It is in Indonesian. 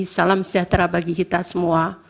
salam sejahtera bagi kita semua